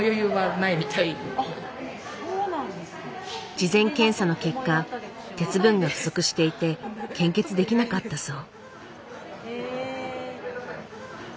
事前検査の結果鉄分が不足していて献血できなかったそう。